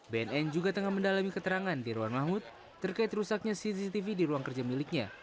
bnn juga tengah mendalami keterangan di ruang mahmud terkait rusaknya cctv di ruang kerja miliknya